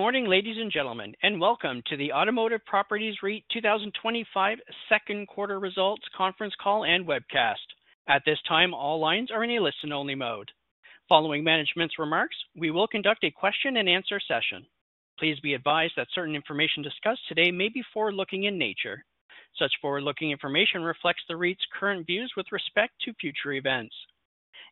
Good morning, ladies and gentlemen, and welcome to the Automotive Properties REIT 2025 Second Quarter Results Conference Call and Webcast. At this time, all lines are in a listen-only mode. Following management's remarks, we will conduct a question and answer session. Please be advised that certain information discussed today may be forward-looking in nature. Such forward-looking information reflects the REIT's current views with respect to future events.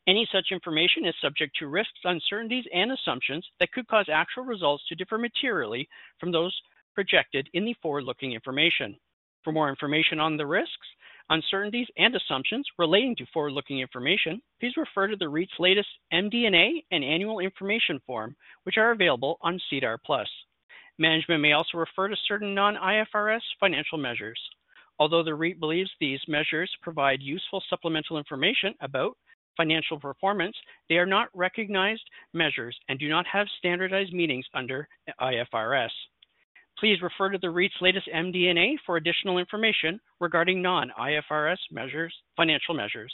Any such information is subject to risks, uncertainties, and assumptions that could cause actual results to differ materially from those projected in the forward-looking information. For more information on the risks, uncertainties, and assumptions relating to forward-looking information, please refer to the REIT's latest MD&A and annual information form, which are available on SEDAR+. Management may also refer to certain non-IFRS financial measures. Although the REIT believes these measures provide useful supplemental information about financial performance, they are not recognized measures and do not have standardized meanings under IFRS. Please refer to the REIT's latest MD&A for additional information regarding non-IFRS financial measures.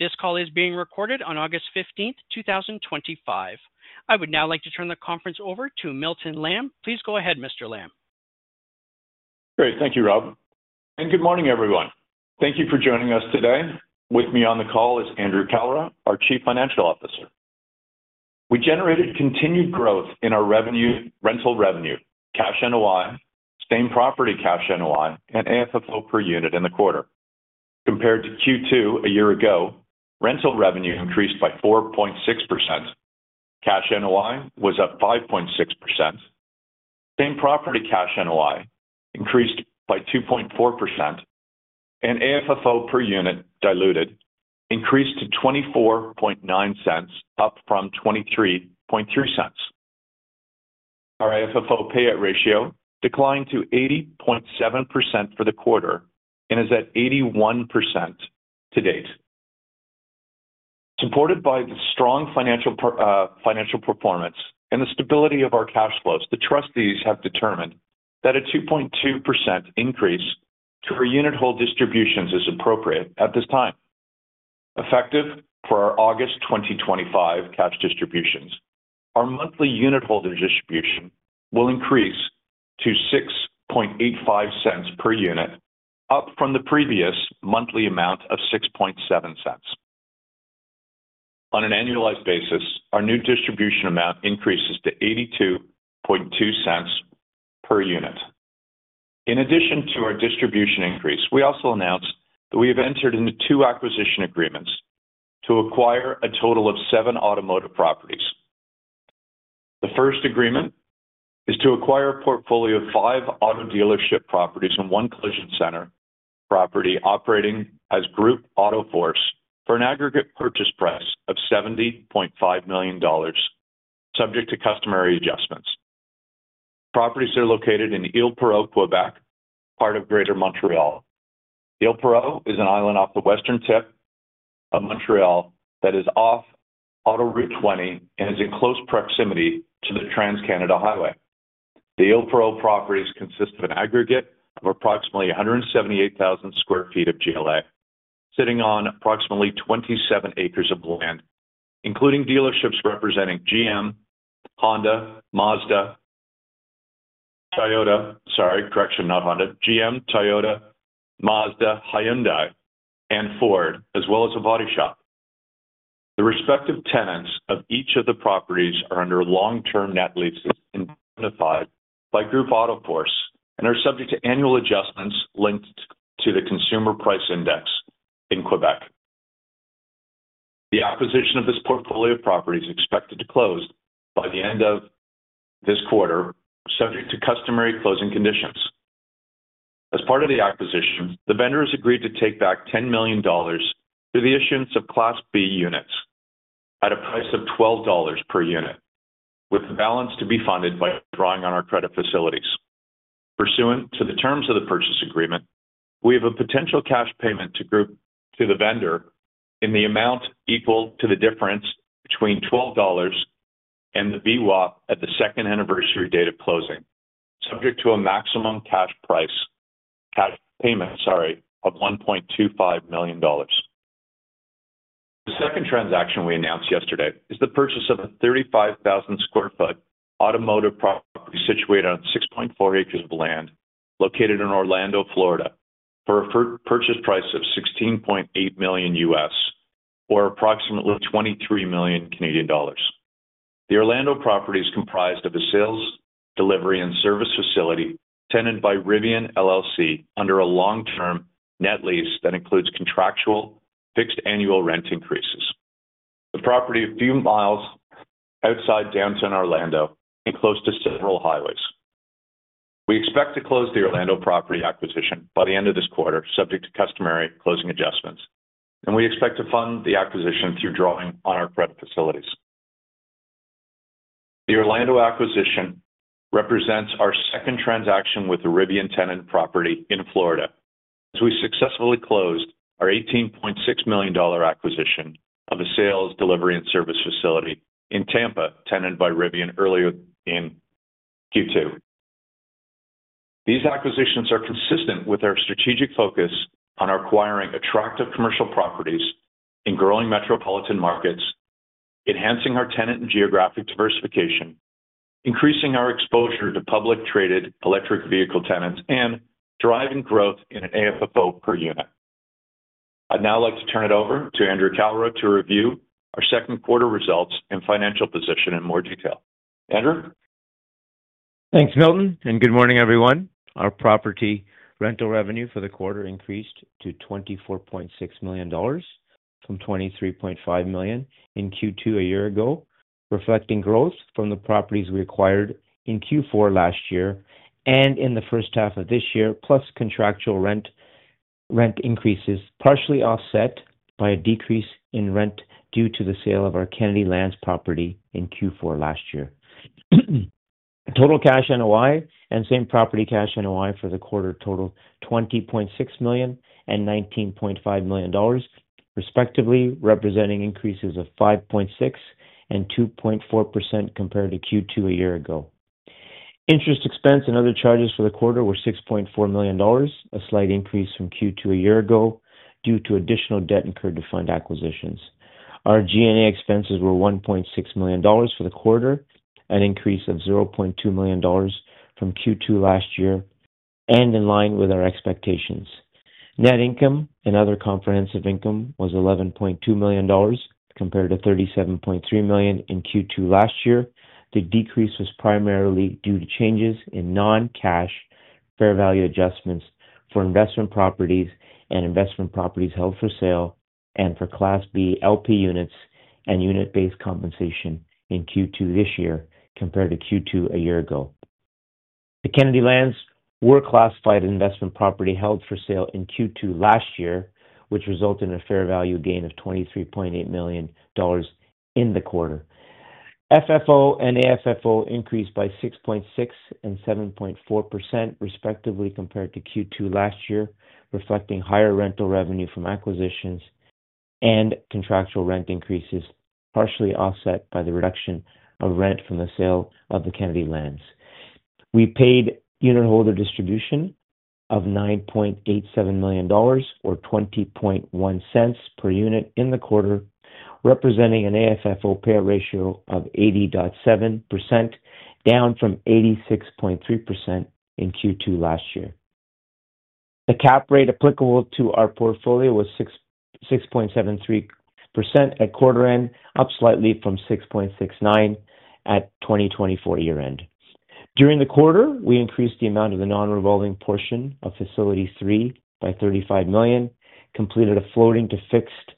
This call is being recorded on August 15th, 2025. I would now like to turn the conference over to Milton Lamb. Please go ahead, Mr. Lamb. Great. Thank you, Rob, and good morning, everyone. Thank you for joining us today. With me on the call is Andrew Kalra, our Chief Financial Officer. We generated continued growth in our revenue, rental revenue, cash NOI, same-property cash NOI, and AFFO per unit in the quarter. Compared to Q2 a year ago, rental revenue increased by 4.6%, cash NOI was up 5.6%, same-property cash NOI increased by 2.4%, and AFFO per unit diluted increased to 0.249, up from 0.233. Our AFFO payout ratio declined to 80.7% for the quarter and is at 81% to date. Supported by the strong financial performance and the stability of our cash flows, the trustees have determined that a 2.2% increase to our unitholder distributions is appropriate at this time. Effective for our August 2025 cash distributions, our monthly unitholder distribution will increase to 0.0685 per unit, up from the previous monthly amount of 0.067. On an annualized basis, our new distribution amount increases to 0.822 per unit. In addition to our distribution increase, we also announced that we have entered into two acquisition agreements to acquire a total of seven automotive properties. The first agreement is to acquire a portfolio of five auto dealership properties and one collision center property operating as Groupe AutoForce for an aggregate purchase price of 70.5 million dollars, subject to customary adjustments. Properties are located in Île Perrot, Quebec, part of Greater Montreal. Île Perrot is an island off the western tip of Montreal that is off Autoroute 20 and is in close proximity to the Trans-Canada Highway. The Île Perrot properties consist of an aggregate of approximately 178,000 sq ft of GLA, sitting on approximately 27 acres of land, including dealerships representing GM, Toyota, Mazda, Hyundai, and Ford, as well as a body shop. The respective tenants of each of the properties are under long-term net leases and identified by Groupe AutoForce and are subject to annual adjustments linked to the Consumer Price Index in Quebec. The acquisition of this portfolio of properties is expected to close by the end of this quarter, subject to customary closing conditions. As part of the acquisition, the vendors agreed to take back 10 million dollars through the issuance of Class B units at a price of 12 dollars per unit, with the balance to be funded by drawing on our credit facilities. Pursuant to the terms of the purchase agreement, we have a potential cash payment to the vendor in the amount equal to the difference between 12 dollars and the VWAP at the second anniversary date of closing, subject to a maximum cash payment of 1.25 million dollars. The second transaction we announced yesterday is the purchase of a 35,000 sq ft automotive property situated on 6.4 acres of land located in Orlando, Florida, for a purchase price of $16.8 million U.S., or approximately 23 million Canadian dollars. The Orlando property is comprised of a sales delivery and service facility tenanted by Rivian, LLC under a long-term net lease that includes contractual fixed annual rent increases. The property is a few miles outside downtown Orlando and close to several highways. We expect to close the Orlando property acquisition by the end of this quarter, subject to customary closing adjustments, and we expect to fund the acquisition through drawing on our credit facilities. The Orlando acquisition represents our second transaction with a Rivian tenant property in Florida. We successfully closed our 18.6 million dollar acquisition of a sales delivery and service facility in Tampa, tenanted by Rivian, earlier in Q2. These acquisitions are consistent with our strategic focus on acquiring attractive commercial properties in growing metropolitan markets, enhancing our tenant and geographic diversification, increasing our exposure to public traded electric vehicle tenants, and driving growth in AFFO per unit. I'd now like to turn it over to Andrew Kalra to review our second quarter results and financial position in more detail. Andrew? Thanks, Milton, and good morning, everyone. Our property rental revenue for the quarter increased to 24.6 million dollars from 23.5 million in Q2 a year ago, reflecting growth from the properties we acquired in Q4 last year and in the first half of this year, plus contractual rent increases, partially offset by a decrease in rent due to the sale of our Kennedy Land property in Q4 last year. Total cash NOI and same-property cash NOI for the quarter total 20.6 million and 19.5 million dollars, respectively, representing increases of 5.6% and 2.4% compared to Q2 a year ago. Interest expense and other charges for the quarter were 6.4 million dollars, a slight increase from Q2 a year ago due to additional debt incurred to fund acquisitions. Our G&A expenses were 1.6 million dollars for the quarter, an increase of 0.2 million dollars from Q2 last year and in line with our expectations. Net income and other comprehensive income was 11.2 million dollars compared to 37.3 million in Q2 last year. The decrease was primarily due to changes in non-cash fair value adjustments for investment properties and investment properties held for sale and for Class B unit vendor takeback and unit-based compensation in Q2 this year compared to Q2 a year ago. The Kennedy Land were classified as investment property held for sale in Q2 last year, which resulted in a fair value gain of 23.8 million dollars in the quarter. FFO and AFFO increased by 6.6% and 7.4%, respectively, compared to Q2 last year, reflecting higher rental revenue from acquisitions and contractual rent increases, partially offset by the reduction of rent from the sale of the Kennedy Land. We paid unitholder distributions of 9.87 million dollars or 0.201 per unit in the quarter, representing an AFFO payout ratio of 80.7%, down from 86.3% in Q2 last year. The cap rate applicable to our portfolio was 6.73% at quarter end, up slightly from 6.69% at 2024 year end. During the quarter, we increased the amount of the non-revolving portion of Facility 3 by 35 million, completed a floating to fixed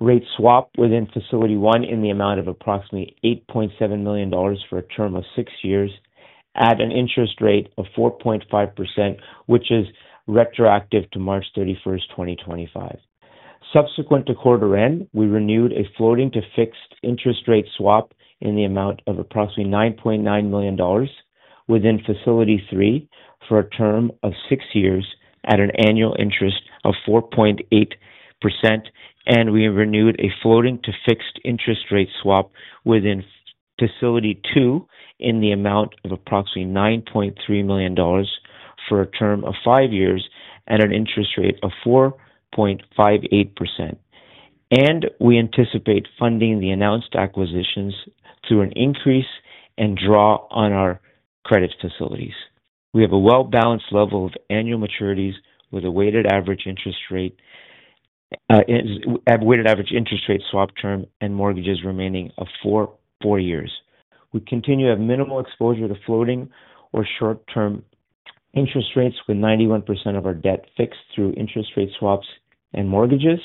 rate swap within Facility 1 in the amount of approximately 8.7 million dollars for a term of six years at an interest rate of 4.5%, which is retroactive to March 31st, 2025. Subsequent to quarter end, we renewed a floating to fixed interest rate swap in the amount of approximately 9.9 million dollars within Facility 3 for a term of six years at an annual interest of 4.8%, and we renewed a floating to fixed interest rate swap within Facility 2 in the amount of approximately 9.3 million dollars for a term of five years at an interest rate of 4.58%. We anticipate funding the announced acquisitions through an increase and draw on our credit facilities. We have a well-balanced level of annual maturities with a weighted average interest rate swap term and mortgages remaining of four years. We continue to have minimal exposure to floating or short-term interest rates with 91% of our debt fixed through interest rate swaps and mortgages.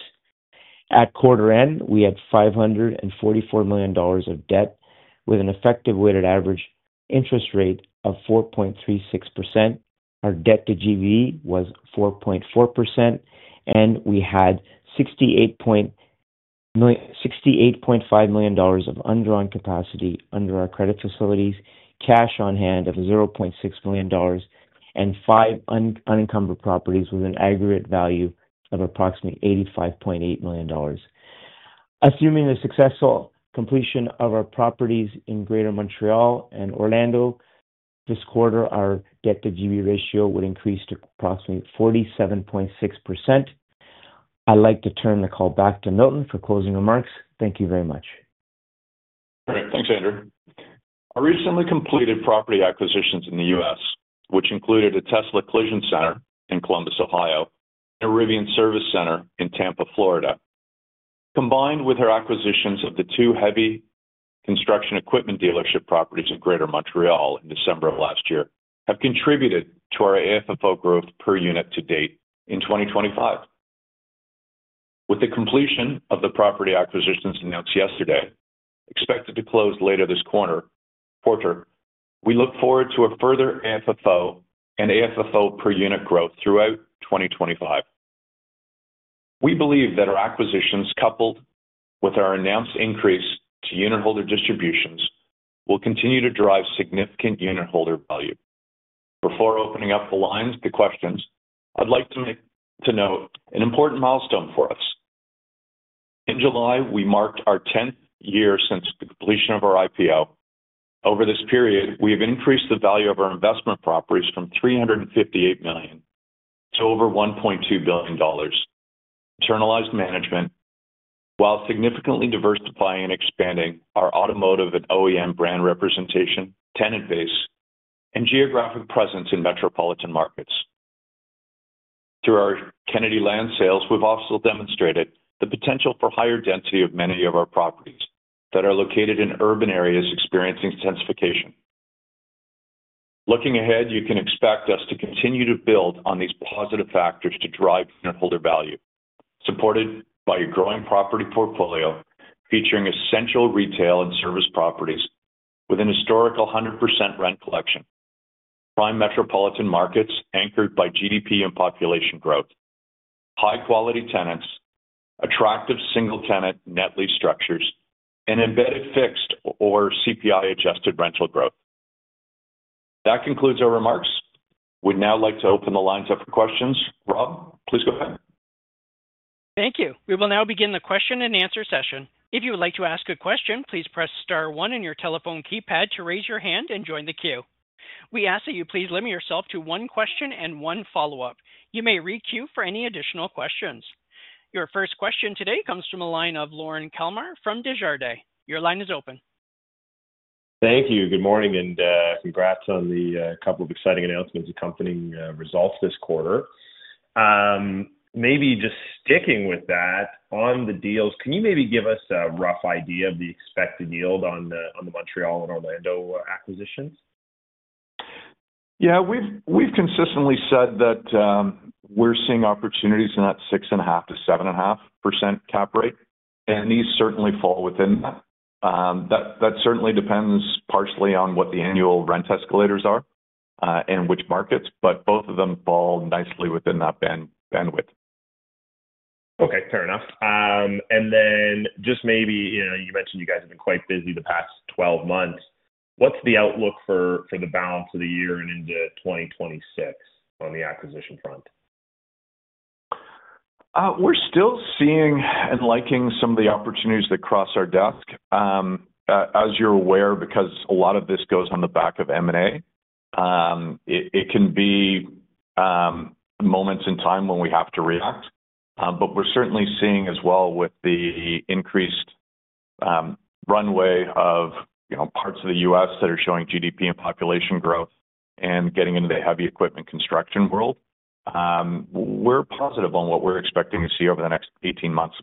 At quarter end, we had 544 million dollars of debt with an effective weighted average interest rate of 4.36%. Our debt to GV was 44%, and we had 68.5 million dollars of undrawn capacity under our credit facilities, cash on hand of 0.6 million dollars, and five unencumbered properties with an aggregate value of approximately 85.8 million dollars. Assuming the successful completion of our properties in Greater Montreal and Orlando this quarter, our debt to GV ratio would increase to approximately 47.6%. I'd like to turn the call back to Milton for closing remarks. Thank you very much. Thanks, Andrew. I recently completed property acquisitions in the U.S., which included a Tesla Collision Center in Columbus, Ohio, and a Rivian Service Center in Tampa, Florida. Combined with our acquisitions of the two heavy construction equipment dealership properties in Greater Montreal in December of last year, have contributed to our AFFO growth per unit to date in 2025. With the completion of the property acquisitions announced yesterday, expected to close later this quarter, we look forward to a further AFFO and AFFO per unit growth throughout 2025. We believe that our acquisitions, coupled with our announced increase to unitholder distributions, will continue to drive significant unitholder value. Before opening up the lines to questions, I'd like to note an important milestone for us. In July, we mark our 10th year since the completion of our IPO. Over this period, we have increased the value of our investment properties from 358 million to over 1.2 billion dollars, internalized management, while significantly diversifying and expanding our automotive and OEM brand representation, tenant base, and geographic presence in metropolitan markets. Through our Kennedy Land sales, we've also demonstrated the potential for higher density of many of our properties that are located in urban areas experiencing densification. Looking ahead, you can expect us to continue to build on these positive factors to drive unitholder value, supported by a growing property portfolio featuring essential retail and service properties with an historical 100% rent collection, prime metropolitan markets anchored by GDP and population growth, high-quality tenants, attractive single-tenant net lease structures, and embedded fixed or CPI-linked rental growth. That concludes our remarks. We'd now like to open the lines up for questions. Rob, please go ahead. Thank you. We will now begin the question and answer session. If you would like to ask a question, please press star one on your telephone keypad to raise your hand and join the queue. We ask that you please limit yourself to one question and one follow-up. You may re-queue for any additional questions. Your first question today comes from the line of Lorne Kalmar from Desjardins. Your line is open. Thank you. Good morning and congrats on the couple of exciting announcements accompanying results this quarter. Maybe just sticking with that, on the deals, can you maybe give us a rough idea of the expected yield on the Montreal and Orlando acquisitions? Yeah, we've consistently said that we're seeing opportunities in that 6.5%-7.5% cap rate, and these certainly fall within that. That certainly depends partially on what the annual rent escalators are and which markets, but both of them fall nicely within that bandwidth. Okay, fair enough. You mentioned you guys have been quite busy the past 12 months. What's the outlook for the balance of the year and into 2026 on the acquisition front? We're still seeing and liking some of the opportunities that cross our desk. As you're aware, because a lot of this goes on the back of M&A, it can be moments in time when we have to react. We're certainly seeing as well with the increased runway of parts of the U.S. that are showing GDP and population growth and getting into the heavy equipment construction world, we're positive on what we're expecting to see over the next 18 months.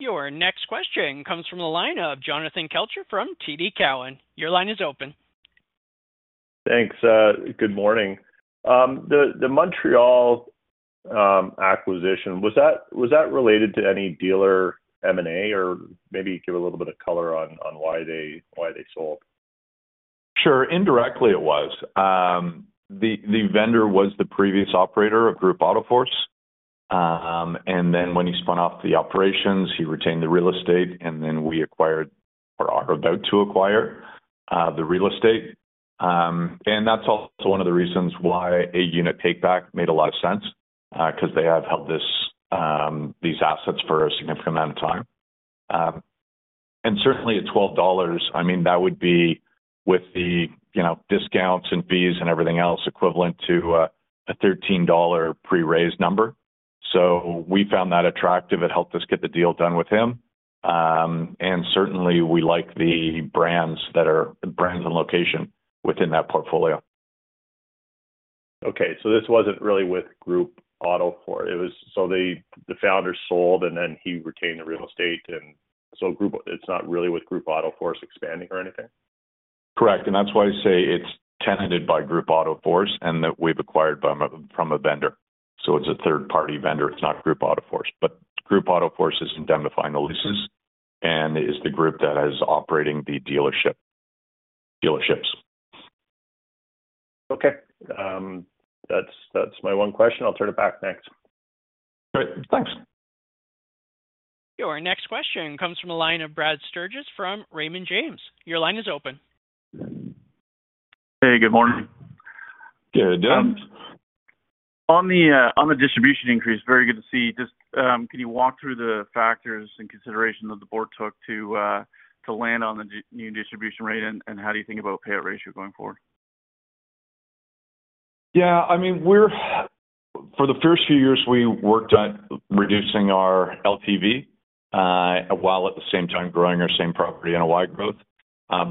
Your next question comes from the line of Jonathan Kelcher from TD Cowen. Your line is open. Thanks. Good morning. The Montreal acquisition, was that related to any dealer M&A, or maybe give a little bit of color on why they sold? Sure, indirectly it was. The vendor was the previous operator of Groupe AutoForce. When he spun off the operations, he retained the real estate and we acquired or I was about to acquire the real estate. That is also one of the reasons why a unit takeback made a lot of sense because they have held these assets for a significant amount of time. At 12 dollars, that would be with the discounts and fees and everything else equivalent to a 13 dollar pre-raise number. We found that attractive. It helped us get the deal done with him. We like the brands and location within that portfolio. Okay, so this wasn't really with Groupe AutoForce. It was, so the founder sold and then he retained the real estate, and so it's not really with Groupe AutoForce expanding or anything? Correct. That's why I say it's tenanted by Groupe AutoForce and that we've acquired from a vendor. It's a third-party vendor. It's not Groupe AutoForce, but Groupe AutoForce is indemnifying the leases and is the group that is operating the dealerships. Okay, that's my one question. I'll turn it back next. Great, thanks. Your next question comes from a line of Brad Sturges from Raymond James. Your line is open. Hey, good morning. Good. On the distribution increase, very good to see. Just can you walk through the factors and considerations that the board took to land on the new distribution rate, and how do you think about payout ratio going forward? Yeah, I mean we're, for the first few years, we worked at reducing our LTV while at the same time growing our same-property cash NOI growth.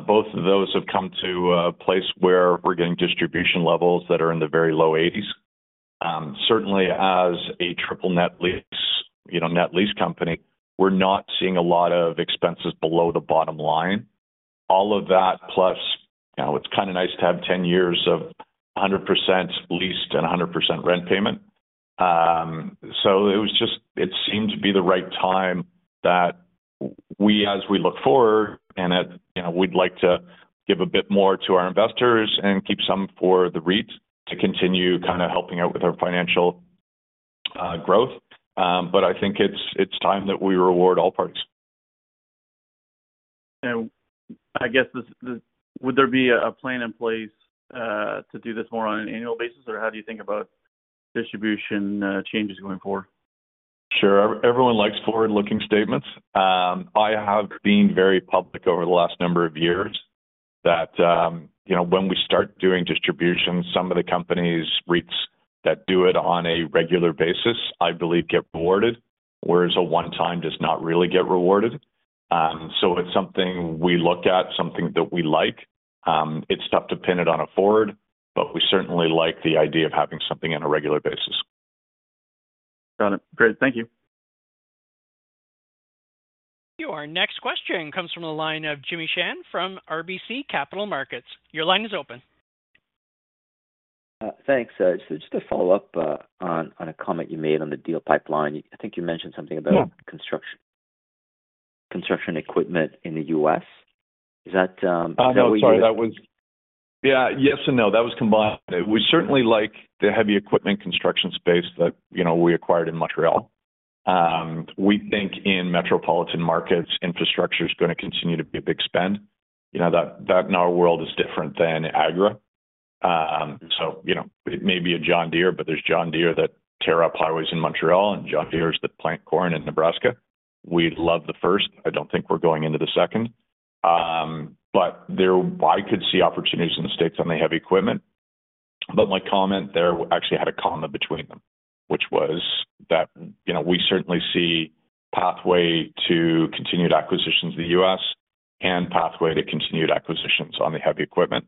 Both of those have come to a place where we're getting distribution levels that are in the very low 80%. Certainly, as a triple net lease, you know, net lease company, we're not seeing a lot of expenses below the bottom line. All of that plus, you know, it's kind of nice to have 10 years of 100% leased and 100% rent payment. It seemed to be the right time that we, as we look forward and at, you know, we'd like to give a bit more to our investors and keep some for the REIT to continue kind of helping out with our financial growth. I think it's time that we reward all parties. Would there be a plan in place to do this more on an annual basis, or how do you think about distribution changes going forward? Sure, everyone likes forward-looking statements. I have been very public over the last number of years that, you know, when we start doing unitholder distributions, some of the companies, REITs that do it on a regular basis, I believe, get rewarded, whereas a one-time does not really get rewarded. It is something we look at, something that we like. It is tough to pin it on a forward, but we certainly like the idea of having something on a regular basis. Got it. Great, thank you. Your next question comes from the line of Jimmy Shan from RBC Capital Markets. Your line is open. Thanks. Just a follow-up on a comment you made on the deal pipeline. I think you mentioned something about construction equipment in the U.S. Is that? Yes and no. That was combined. We certainly like the heavy equipment construction space that we acquired in Montreal. We think in metropolitan markets, infrastructure is going to continue to be a big spend. That in our world is different than agro. It may be a John Deere, but there's John Deere that tear up highways in Montreal and John Deere's that plant corn in Nebraska. We love the first. I don't think we're going into the second. I could see opportunities in states on the heavy equipment. My comment there actually had a comma between them, which was that we certainly see pathway to continued acquisitions in the U.S. and pathway to continued acquisitions on the heavy equipment.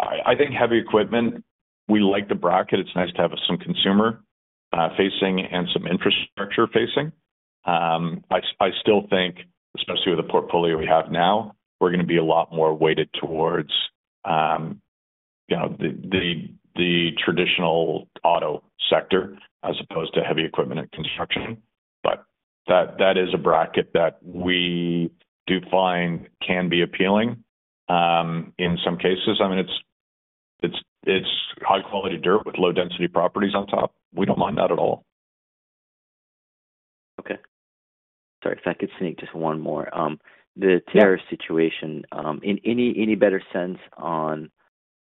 I think heavy equipment, we like the bracket. It's nice to have some consumer-facing and some infrastructure-facing. I still think, especially with the portfolio we have now, we're going to be a lot more weighted towards the traditional auto sector as opposed to heavy equipment and construction. That is a bracket that we do find can be appealing in some cases. I mean, it's high-quality dirt with low-density properties on top. We don't mind that at all. Okay. Sorry, if I could sneak just one more. The tariff situation, any better sense on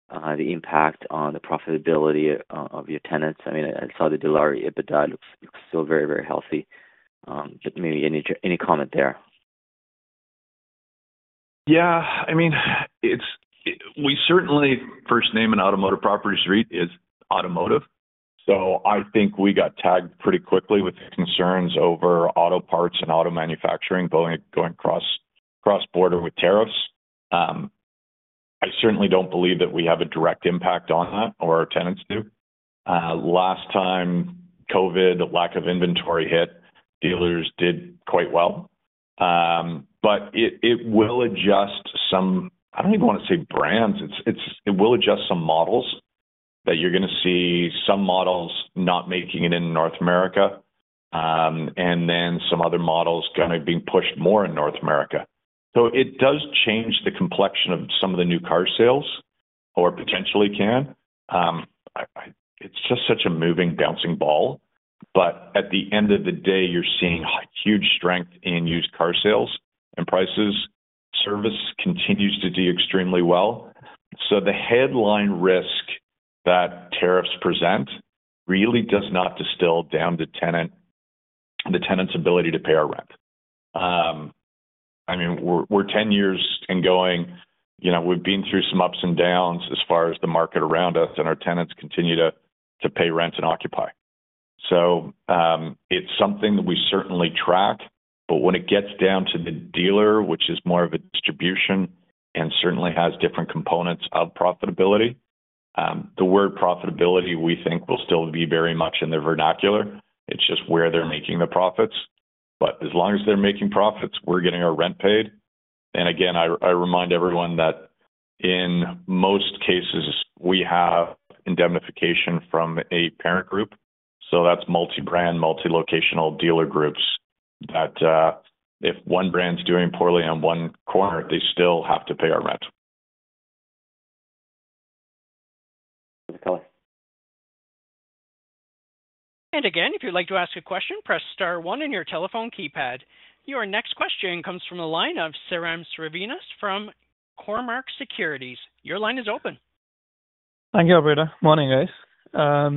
the impact on the profitability of your tenants? I mean, I saw the Dilawri UIDAI looks still very, very healthy. Maybe any comment there? Yeah, I mean, we certainly, first name in Automotive Properties REIT is automotive. I think we got tagged pretty quickly with concerns over auto parts and auto manufacturing going across border with tariffs. I certainly don't believe that we have a direct impact on that or our tenants do. Last time COVID, the lack of inventory hit, dealers did quite well. It will adjust some, I don't even want to say brands, it will adjust some models that you're going to see, some models not making it in North America, and then some other models kind of being pushed more in North America. It does change the complexion of some of the new car sales or potentially can. It's just such a moving, bouncing ball. At the end of the day, you're seeing huge strength in used car sales and prices. Service continues to do extremely well. The headline risk that tariffs present really does not distill down to tenants, the tenant's ability to pay our rent. I mean, we're 10 years and going, you know, we've been through some ups and downs as far as the market around us and our tenants continue to pay rent and occupy. It's something that we certainly track. When it gets down to the dealer, which is more of a distribution and certainly has different components of profitability, the word profitability we think will still be very much in their vernacular. It's just where they're making the profits. As long as they're making profits, we're getting our rent paid. Again, I remind everyone that in most cases, we have indemnification from a parent group. That's multi-brand, multi-locational dealer groups that if one brand's doing poorly on one corner, they still have to pay our rent. If you'd like to ask a question, press star one on your telephone keypad. Your next question comes from the line of Sairam Srinivas from Cormark Securities. Your line is open. Thank you, Operator. Morning, guys.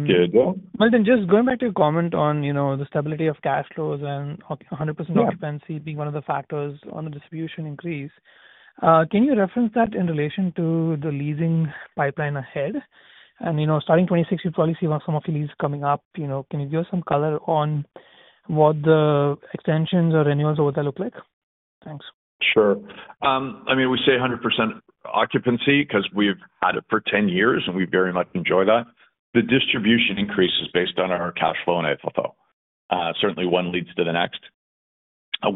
Good. Milton, just going back to your comment on the stability of cash flows and 100% occupancy being one of the factors on the distribution increase. Can you reference that in relation to the leasing pipeline ahead? Starting 2026, you probably see some of your leases coming up. Can you give us some color on what the extensions or renewals over there look like? Thanks. Sure. I mean, we say 100% occupancy because we've had it for 10 years and we very much enjoy that. The distribution increases based on our cash flow and AFFO. Certainly, one leads to the next.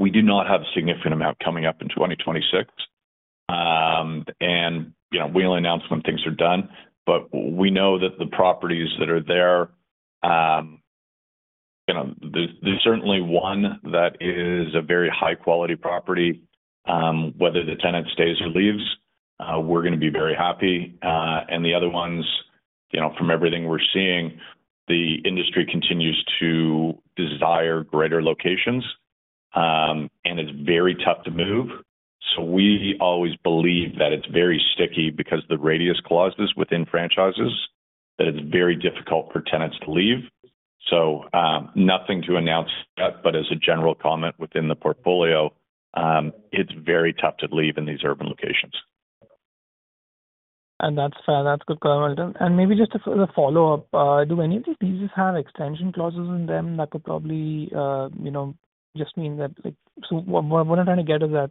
We do not have a significant amount coming up in 2026. We'll announce when things are done. We know that the properties that are there, there's certainly one that is a very high-quality property. Whether the tenant stays or leaves, we're going to be very happy. The other ones, from everything we're seeing, the industry continues to desire greater locations. It's very tough to move. We always believe that it's very sticky because the radius clauses within franchises, it's very difficult for tenants to leave. Nothing to announce yet, but as a general comment within the portfolio, it's very tough to leave in these urban locations. That's fair. That's a good call, Milton. Maybe just a follow-up. Do any of these leases have extension clauses in them that could probably just mean that? What I'm trying to get is that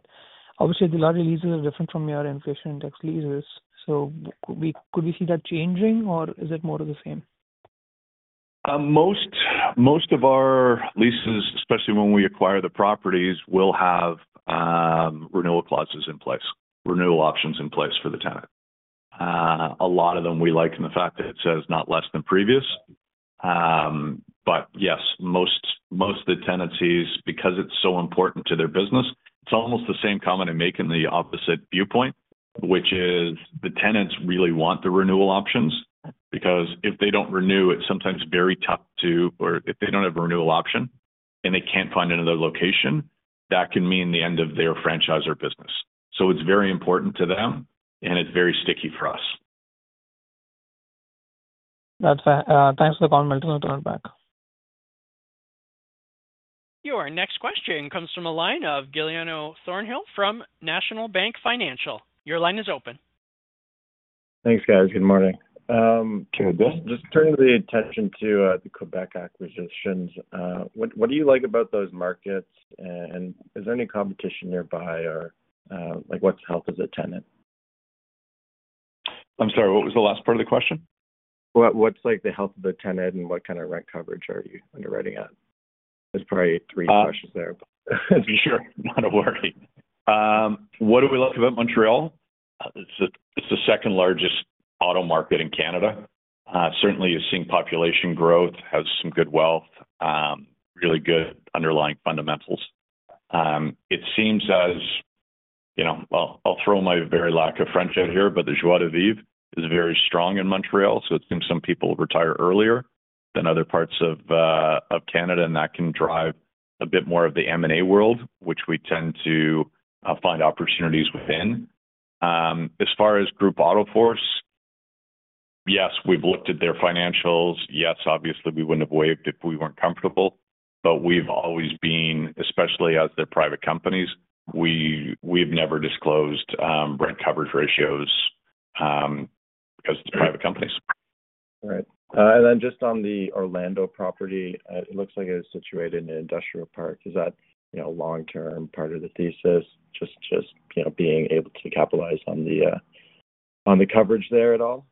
obviously Dilawri leases are different from your inflation-indexed leases. Could we see that changing or is it more of the same? Most of our leases, especially when we acquire the properties, will have renewal clauses in place, renewal options in place for the tenant. A lot of them we like in the fact that it says not less than previous. Yes, most of the tenancies, because it's so important to their business, it's almost the same comment I make in the opposite viewpoint, which is the tenants really want the renewal options because if they don't renew, it's sometimes very tough to, or if they don't have a renewal option and they can't find another location, that can mean the end of their franchise or business. It is very important to them and it's very sticky for us. That's fair. Thanks for the call, Milton. We'll turn it back. Your next question comes from a line of Guiliano Thornhill from National Bank Financial. Your line is open. Thanks, guys. Good morning. Just turning the attention to the Quebec acquisitions. What do you like about those markets, and is there any competition nearby, or like what's the health of the tenant? I'm sorry, what was the last part of the question? What's the health of the tenant, and what kind of rent coverage are you underwriting at? There's probably three questions there, but as you're not aware. What do we like about Montreal? It's the second largest auto market in Canada. Certainly, you're seeing population growth, has some good wealth, really good underlying fundamentals. It seems as, you know, I'll throw my very lack of French out here, but the joie de vivre is very strong in Montreal. It seems some people retire earlier than other parts of Canada and that can drive a bit more of the M&A world, which we tend to find opportunities within. As far as Groupe AutoForce, yes, we've looked at their financials. Yes, obviously we wouldn't have waived if we weren't comfortable. We've always been, especially as they're private companies, we've never disclosed rent coverage ratios because they're private companies. Right. On the Orlando property, it looks like it was situated in an industrial park. Is that a long-term part of the thesis? Just being able to capitalize on the coverage there at all?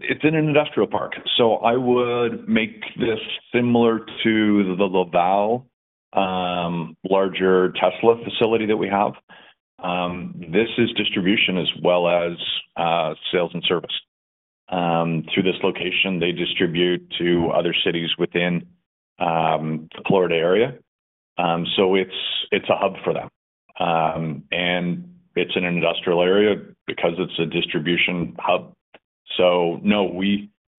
It's in an industrial park. I would make this similar to the Laval, larger Tesla facility that we have. This is distribution as well as sales and service. Through this location, they distribute to other cities within the Florida area. It's a hub for them, and it's in an industrial area because it's a distribution hub.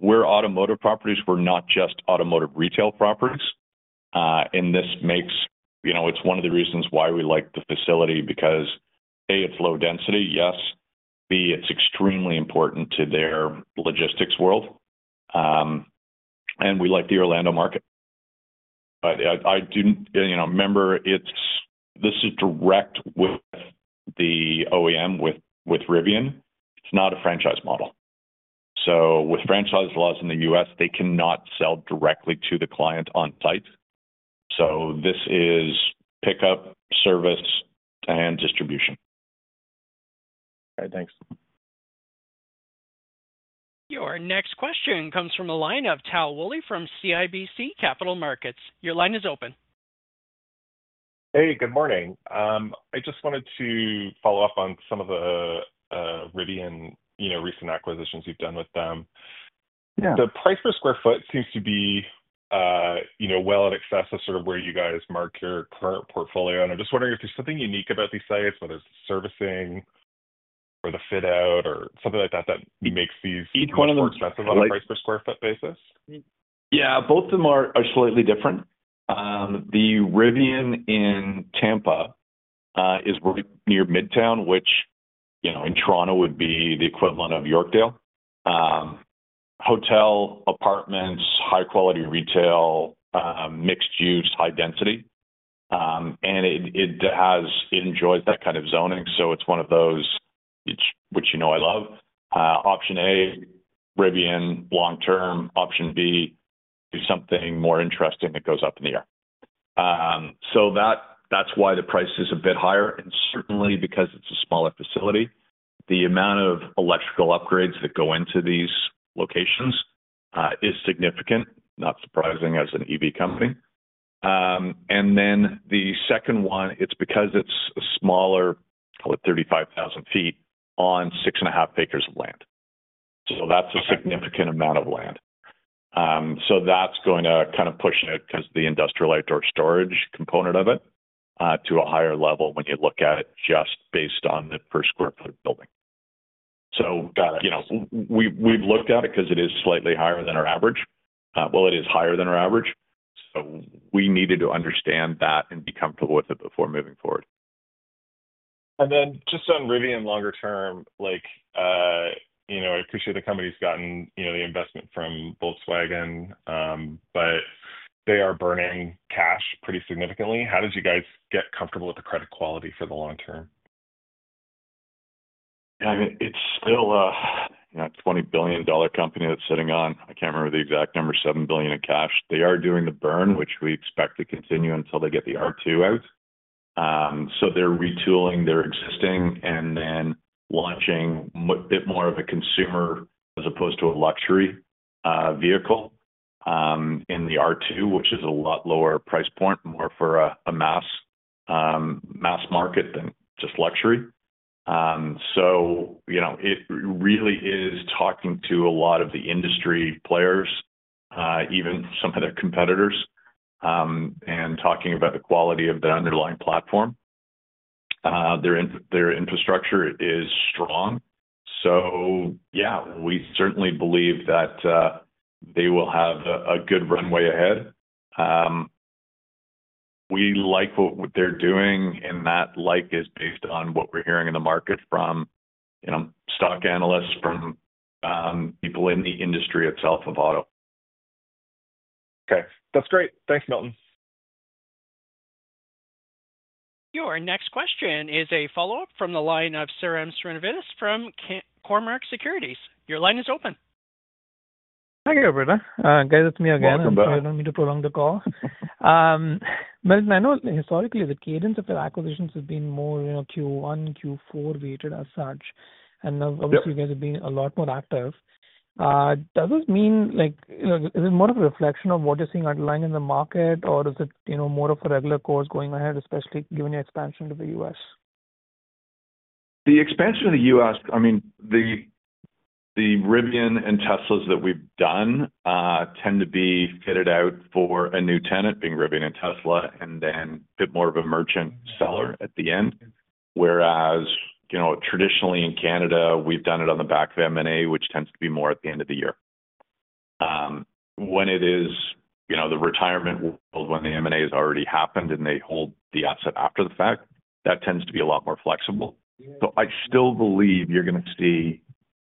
We're Automotive Properties, we're not just automotive retail properties. This makes, you know, it's one of the reasons why we like the facility because, A, it's low density. Yes. B, it's extremely important to their logistics world. We like the Orlando market. I do, you know, remember, this is direct with the OEM with Rivian. It's not a franchise model. With franchise laws in the U.S., they cannot sell directly to the client on site. This is pickup, service, and distribution. All right, thanks. Your next question comes from a line of Tal Woolley from CIBC Capital Markets. Your line is open. Hey, good morning. I just wanted to follow up on some of the Rivian recent acquisitions you've done with them. The price per square foot seems to be well in excess of sort of where you guys mark your current portfolio. I'm just wondering if there's something unique about these sites, whether it's the servicing or the fit out or something like that that makes these more expensive on a price per square foot basis. Yeah, both of them are slightly different. The Rivian in Tampa is really near Midtown, which, you know, in Toronto would be the equivalent of Yorkdale. Hotel, apartments, high-quality retail, mixed use, high density. It enjoys that kind of zoning. It's one of those, which you know I love. Option A, Rivian, long term. Option B, do something more interesting that goes up in the air. That's why the price is a bit higher. It's only because it's a smaller facility. The amount of electrical upgrades that go into these locations is significant, not surprising as an EV company. The second one, it's because it's a smaller, call it 35,000 ft on 6.5 acres of land. That's a significant amount of land. That's going to kind of push it because of the industrial outdoor storage component of it to a higher level when you look at it just based on the per square foot building. We've looked at it because it is slightly higher than our average. It is higher than our average. We needed to understand that and be comfortable with it before moving forward. On Rivian longer term, like, you know, I appreciate the company's gotten, you know, the investment from Volkswagen, but they are burning cash pretty significantly. How did you guys get comfortable with the credit quality for the long term? Yeah, I mean, it's still a 20 billion dollar company that's sitting on, I can't remember the exact number, 7 billion in cash. They are doing the burn, which we expect to continue until they get the R2 out. They're retooling their existing and then launching a bit more of a consumer as opposed to a luxury vehicle in the R2, which is a lot lower price point, more for a mass market than just luxury. It really is talking to a lot of the industry players, even some of their competitors, and talking about the quality of their underlying platform. Their infrastructure is strong. We certainly believe that they will have a good runway ahead. We like what they're doing and that like is based on what we're hearing in the market from, you know, stock analysts, from people in the industry itself of auto. Okay, that's great. Thanks, Milton. Your next question is a follow-up from the line of Sairam Srinivas from Cormark Securities. Your line is open. Thank you, Operator. It's me again. I'm going to prolong the call. Milton, I know historically the cadence of their acquisitions has been more, you know, Q1, Q4 weighted as such. Obviously, you guys have been a lot more active. Does this mean, like, you know, is it more of a reflection of what you're seeing underlying in the market or is it, you know, more of a regular course going ahead, especially given your expansion to the U.S.? The expansion in the U.S., I mean, the Rivian and Tesla that we've done tend to be fitted out for a new tenant, being Rivian and Tesla, and then a bit more of a merchant seller at the end. Whereas, you know, traditionally in Canada, we've done it on the back of M&A, which tends to be more at the end of the year. When it is, you know, the retirement world, when the M&A has already happened and they hold the asset after the fact, that tends to be a lot more flexible. I still believe you're going to see,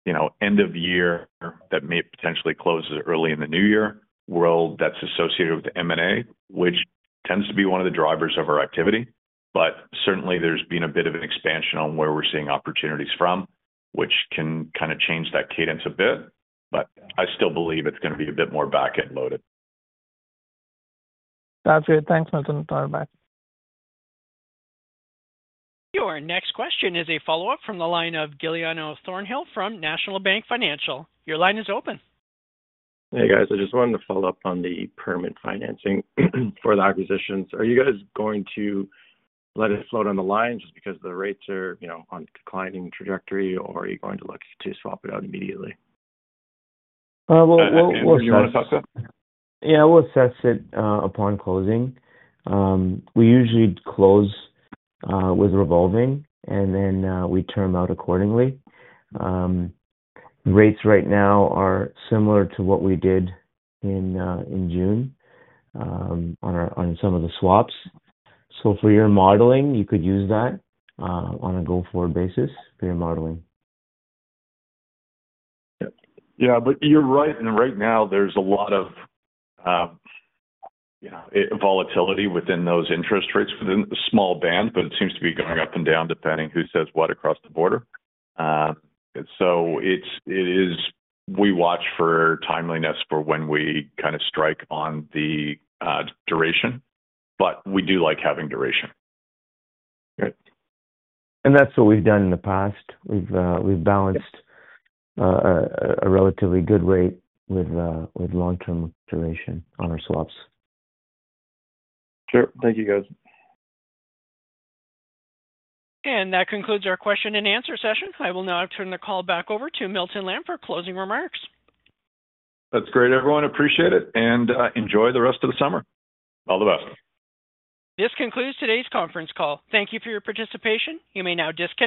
you know, end of year that may potentially close early in the new year. World that's associated with M&A, which tends to be one of the drivers of our activity. Certainly, there's been a bit of an expansion on where we're seeing opportunities from, which can kind of change that cadence a bit. I still believe it's going to be a bit more back-end loaded. That's great. Thanks, Milton. Your next question is a follow-up from the line of Guiliano Thornhill from National Bank Financial. Your line is open. Hey guys, I just wanted to follow up on the permit financing for the acquisitions. Are you guys going to let it float on the line just because the rates are, you know, on a declining trajectory, or are you going to look to swap it out immediately? Yeah, we'll assess it upon closing. We usually close with revolving and then we term out accordingly. Rates right now are similar to what we did in June on some of the swaps. For your modeling, you could use that on a go-forward basis for your modeling. You're right. Right now there's a lot of volatility within those interest rates for the small band, but it seems to be going up and down depending who says what across the border. It is, we watch for timeliness for when we kind of strike on the duration, but we do like having duration. That's what we've done in the past. We've balanced a relatively good rate with long-term duration on our swaps. Sure. Thank you, guys. That concludes our question and answer session. I will now turn the call back over to Milton Lamb for closing remarks. That's great, everyone. Appreciate it and enjoy the rest of the summer. All the best. This concludes today's conference call. Thank you for your participation. You may now disconnect.